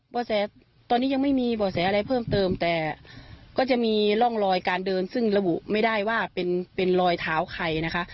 แสตอนนี้ยังไม่มีบ่อแสอะไรเพิ่มเติมแต่ก็จะมีร่องรอยการเดินซึ่งระบุไม่ได้ว่าเป็นเป็นรอยเท้าใครนะคะ